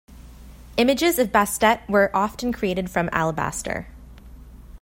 Images of Bastet were often created from alabaster.